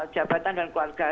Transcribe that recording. jabatan dan keluarga